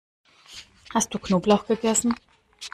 Hast du Knoblauch gegessen?